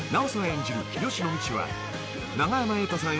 演じる吉野みちは永山瑛太さん